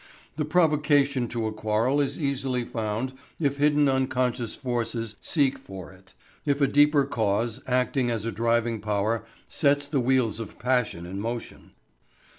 The provocation to a quarrel is easily found if hidden unconscious forces seek for it, if a deeper cause, acting as a driving power, sets the wheels of passion in motion.